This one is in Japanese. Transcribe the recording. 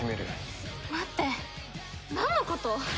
待ってなんのこと！？